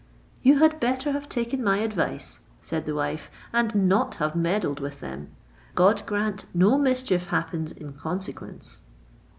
"You had better have taken my advice," said the wife, "and not have meddled with them. God grant no mischief happens in consequence!"